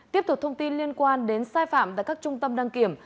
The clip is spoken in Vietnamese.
tiếp tục thông tin liên quan đến sai phạm tại các trung tâm đăng kiểm